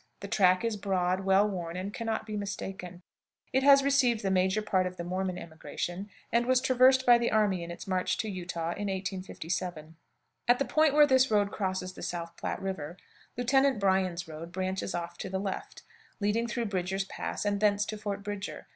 The track is broad, well worn, and can not be mistaken. It has received the major part of the Mormon emigration, and was traversed by the army in its march to Utah in 1857. At the point where this road crosses the South Platte River, Lieutenant Bryan's road branches off to the left, leading through Bridger's Pass, and thence to Fort Bridger.